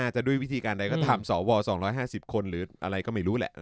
จะด้วยวิธีการใดก็ตามสว๒๕๐คนหรืออะไรก็ไม่รู้แหละ